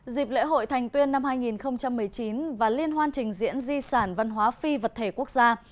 dịp lễ hội thành tuyên năm hai nghìn một mươi chín và liên hoan trình diễn di sản văn hóa phi vật thể quốc gia